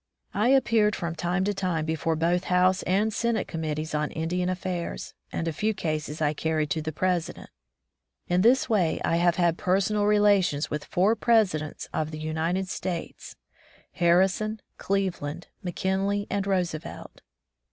I appeared from time to time before both House and Senate committees on Indian Affairs, and a few cases I carried to the President. In this way I have had personal relations with four Presidents of the United States, Harrison, Cleveland, McBanley, and Roosevelt.